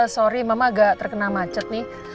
sorry memang agak terkena macet nih